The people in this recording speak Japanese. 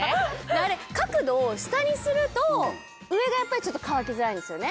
あれ角度を下にすると上がやっぱりちょっと乾きづらいんですよね。